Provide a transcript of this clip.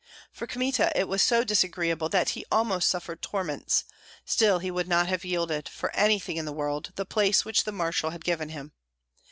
For Kmita it was so disagreeable that he almost suffered torments; still he would not have yielded, for anything in the world, the place which the marshal had given him.